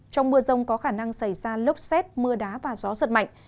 trong mưa rông có khả năng xảy ra lốc xét mưa đá và gió giật mạnh